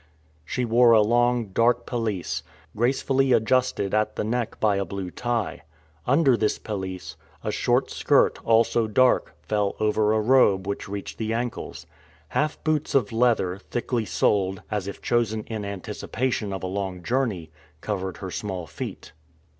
She wore a long, dark pelisse, gracefully adjusted at the neck by a blue tie. Under this pelisse, a short skirt, also dark, fell over a robe which reached the ankles. Half boots of leather, thickly soled, as if chosen in anticipation of a long journey, covered her small feet.